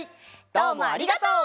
どうもありがとう！